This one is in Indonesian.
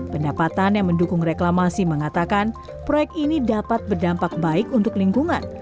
pendapatan yang mendukung reklamasi mengatakan proyek ini dapat berdampak baik untuk lingkungan